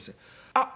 「あっ！